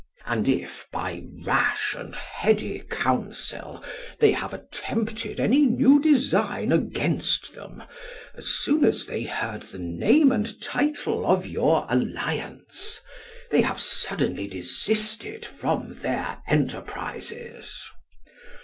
And if, by rash and heady counsel, they have attempted any new design against them, as soon as they heard the name and title of your alliance, they have suddenly desisted from their enterprises.